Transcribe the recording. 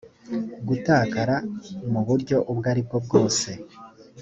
gutakara mu buryo ubwo ari bwo bwose